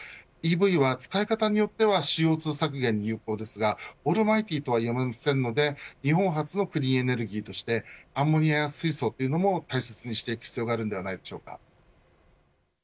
ＥＶは使い方によってはＣＯ２削減に有効ですがオールマイティーとはいえませんので、日本初のクリーンエネルギーとしてアンモニアや水素も大切にしていく必要があるではないでしょうか。